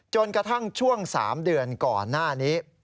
จนกระทั่งช่วง๓เดือนก่อนหน้านี้